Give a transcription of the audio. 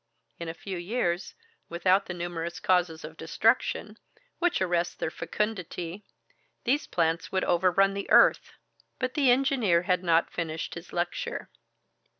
In a few years, without the numerous causes of destruction, which arrests their fecundity, these plants would overrun the earth." But the engineer had not finished his lecture.